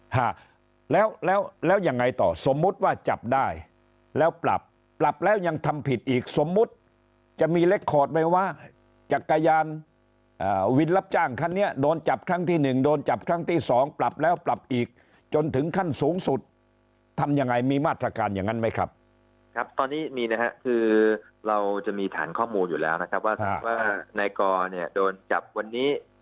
ฮะแล้วแล้วยังไงต่อสมมุติว่าจับได้แล้วปรับปรับแล้วยังทำผิดอีกสมมุติจะมีเล็กคอร์ดไหมว่าจักรยานอ่าวินรับจ้างคันนี้โดนจับครั้งที่หนึ่งโดนจับครั้งที่สองปรับแล้วปรับอีกจนถึงขั้นสูงสุดทำยังไงมีมาตรการอย่างนั้นไหมครับครับตอนนี้มีนะฮะคือเราจะมีฐานข้อมูลอยู่แล้วนะครับว่านายกอเนี่ยโดนจับวันนี้